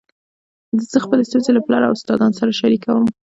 زه خپلي ستونزي له پلار او استادانو سره شریکوم.